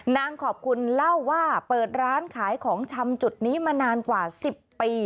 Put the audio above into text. นางขอบคุณเล่าว่าเปิดร้านขายของชำจุดนี้มานานกว่า๑๐ปี